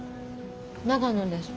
長野です。